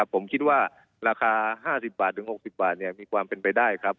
ผมคิดว่าราคา๕๐บาทถึง๖๐บาทมีความเป็นไปได้ครับ